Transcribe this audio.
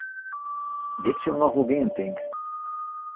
Dit sil noch wol gean, tink.